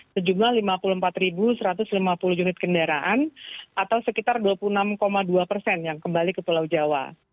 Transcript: sejumlah lima puluh empat satu ratus lima puluh unit kendaraan atau sekitar dua puluh enam dua persen yang kembali ke pulau jawa